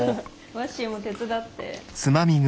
ワッシーも手伝って。